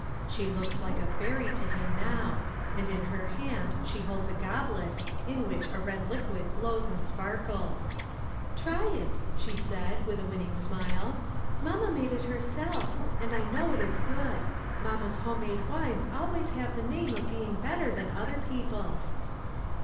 She looks like a fairy to him now, and in her hand she holds a goblet, in which a red liquid glows and sparkles. " Try it," she said, with a winning smile. '• Mamma made it herself, and I know it is good. Mamma's home made wines always have the name of being better than other people's."